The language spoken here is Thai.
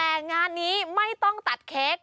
แต่งานนี้ไม่ต้องตัดเค้ก